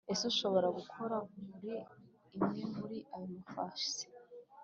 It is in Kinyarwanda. ese ushobora gukora muri imwe muri ayo mafasi